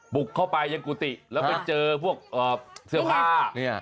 บุกเข้าไปยังกุฏิแล้วไปเจอพวกเสื้อผ้า